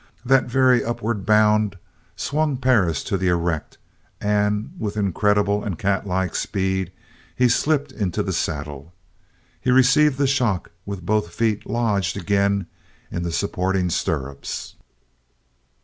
that very upward bound swung Perris to the erect, and with incredible and catlike speed he slipped into the saddle. He received the shock with both feet lodged again in the supporting stirrups.